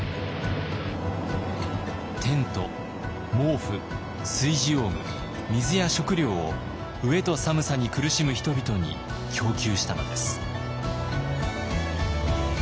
テント毛布炊事用具水や食料を飢えと寒さに苦しむ人々に供給したのです。